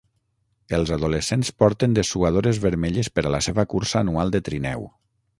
Els adolescents porten dessuadores vermelles per a la seva cursa anual de trineu.